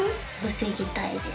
防ぎたいです。